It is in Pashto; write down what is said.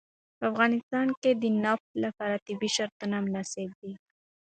په افغانستان کې د نفت لپاره طبیعي شرایط مناسب دي.